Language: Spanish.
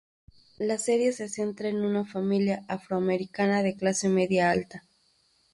La serie se centra en una familia afroamericana de clase media-alta.